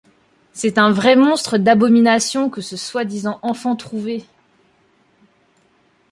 C’est un vrai monstre d’abomination que ce soi-disant enfant trouvé.